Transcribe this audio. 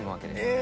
え！